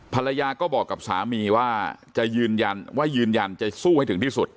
ภรรยาก็บอกกับสามีว่าจะยืนยันจะสู้ถึงที่สุด